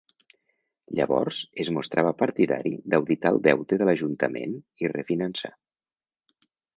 Llavors es mostrava partidari d'auditar el deute de l'ajuntament i refinançar.